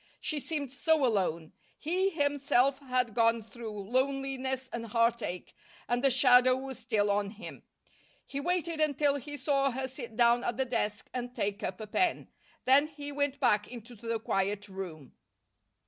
She seemed so alone. He himself had gone through loneliness and heartache, and the shadow was still on him. He waited until he saw her sit down at the desk and take up a pen. Then he went back into the quiet room.